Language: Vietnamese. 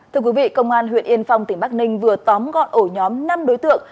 thưa quý vị công an huyện yên phong tỉnh bắc ninh vừa tóm gọn ổ nhóm năm đối tượng